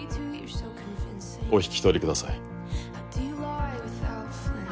お引き取りください。